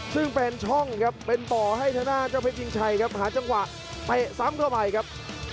ซึ่งเป็นช่องครับเป็นป่อให้ถนาเจ้าเพชรจริงชัยหาจังหวะไปซ้ำเข้าไปครับ